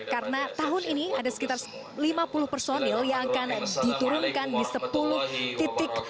karena tahun ini ada sekitar lima puluh personil yang akan diturunkan di sepuluh titik